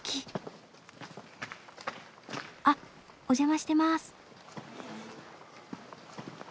あっお邪魔してます。